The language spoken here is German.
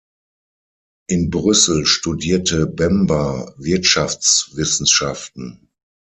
In Brüssel studierte Bemba Wirtschaftswissenschaften.